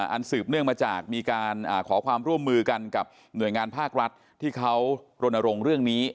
สืบเนื่องมาจากมีการขอความร่วมมือกันกับหน่วยงานภาครัฐที่เขารณรงค์เรื่องนี้